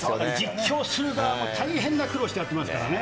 実況する側も大変な苦労してやってますからね。